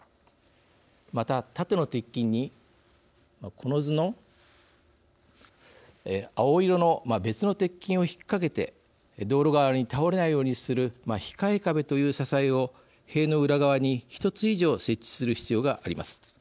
また縦の鉄筋にこの図の青色の別の鉄筋を引っ掛けて道路側に倒れないようにする控え壁という支えを塀の裏側に１つ以上設置する必要があります。